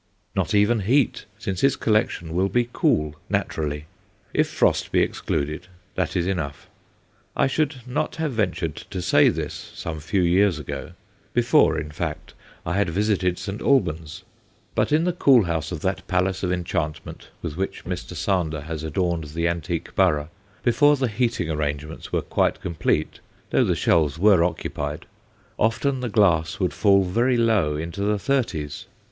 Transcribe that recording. Not even heat, since his collection will be "cool" naturally; if frost be excluded, that is enough. I should not have ventured to say this some few years ago before, in fact, I had visited St. Albans. But in the cool house of that palace of enchantment with which Mr. Sander has adorned the antique borough, before the heating arrangements were quite complete though the shelves were occupied, often the glass would fall very low into the thirties.